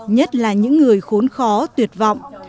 nhất là những người khốn khó tuyệt vọng